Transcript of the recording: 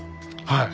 はい。